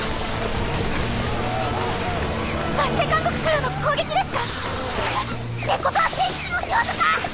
バステ監獄からの攻撃ですか⁉きゃあ！ってことは聖騎士の仕業か！